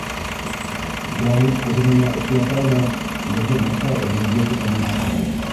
Яулыҡ урынына эшләпә лә беҙҙе насар энергетиканан һаҡлай.